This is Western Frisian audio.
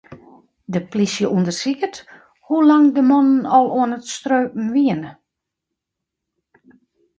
De plysje ûndersiket hoe lang de mannen al oan it streupen wiene.